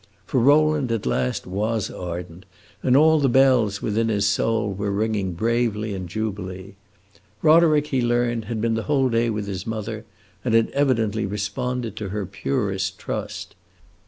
For Rowland at last was ardent, and all the bells within his soul were ringing bravely in jubilee. Roderick, he learned, had been the whole day with his mother, and had evidently responded to her purest trust.